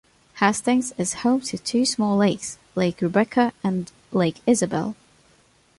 Hastings is home to two small lakes, Lake Rebecca and Lake Isabel.